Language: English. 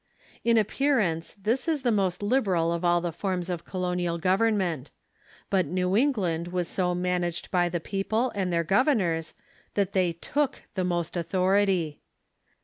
In appearance, this Avas the most liberal of all the forms of colonial government. But New England was so managed by the people and their governors that thcA' took the most authority.